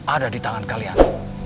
ada di tangan kalian